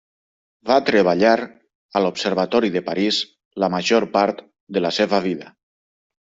Va treballar a l'Observatori de París la major part de la seva vida.